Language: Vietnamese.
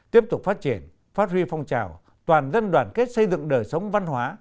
tiếp tục phát triển phát huy phong trào toàn dân đoàn kết xây dựng đời sống văn hóa